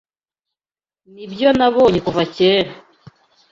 Nibyo nabonye kuva kera.